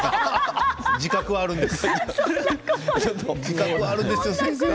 自覚はあるんです。